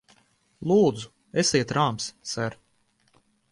Lūdzu, esiet rāms, ser!